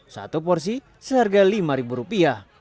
satu porsi seharga lima rupiah